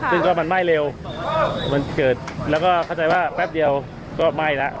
คือมันไม่เร็วเข้าใจว่าแป๊บเดียวก็ไม่นะ